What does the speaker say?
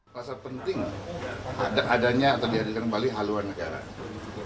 rasa penting adanya atau diadakan kembali haluan negara